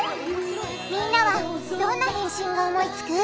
みんなはどんな返信を思いつく？